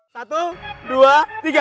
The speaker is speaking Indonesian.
satu dua tiga